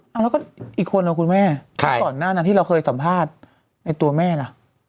เอาแล้วก็อีกคนนะคุณแม่ก่อนหน้านั้นที่เราเคยสัมภาษณ์ในตัวแม่ล่ะ